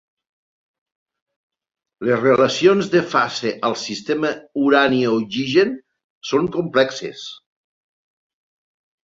Les relacions de fase al sistema urani-oxigen són complexes.